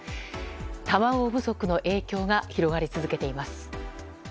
卵不足の影響が広がり続けています。